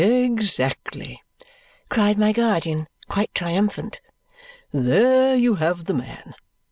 "Exactly!" cried my guardian, quite triumphant. "There you have the man!